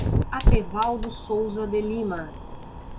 Atevaldo Souza de Lima